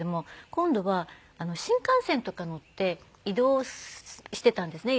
今度は新幹線とか乗って移動してたんですね